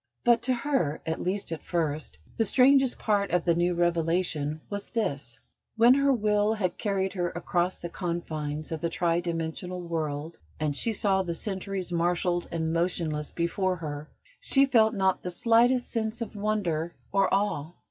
But to her, at least at first, the strangest part of the new revelation was this: When her will had carried her across the confines of the tri dimensional world, and she saw the centuries marshalled and motionless before her, she felt not the slightest sense of wonder or awe.